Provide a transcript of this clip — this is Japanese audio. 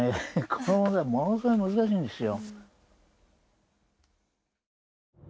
この問題はものすごく難しいんですよ。